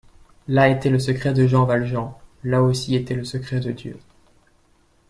Là était le secret de Jean Valjean ; là aussi était le secret de Dieu.